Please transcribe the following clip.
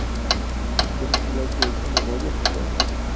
— Bir kilo kelsa nima bo‘pti?